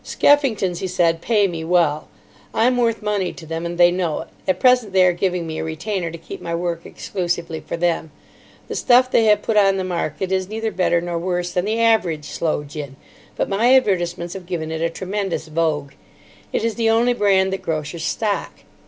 "Skeffington's," he said, "pay me well. I'm worth money to them, and they know it. At present they are giving me a retainer to keep my work exclusively for them. The stuff they have put on the market is neither better nor worse than the average sloe gin. But my advertisements have given it a tremendous vogue. It is the only brand that grocers stock.